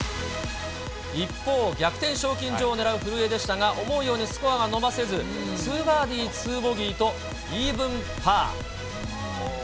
一方、逆転賞金女王を狙う古江でしたが、思うようにスコアが伸ばせず、２バーディー２ボギーとイーブンパー。